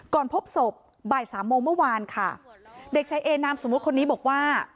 พบศพบ่ายสามโมงเมื่อวานค่ะเด็กชายเอนามสมมุติคนนี้บอกว่า